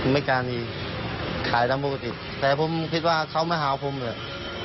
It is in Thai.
ไม่กล้ามีขายตามปกติแต่ผมคิดว่าเขามาหาผมเลย